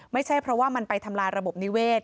ไม่ใช่เพราะว่ามันไปทำลายระบบนิเวศ